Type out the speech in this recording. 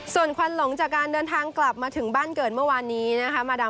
ส่วนควันหลงจากการเดินทางกลับมาถึงบ้านเกิดเมื่อวานนี้นะคะ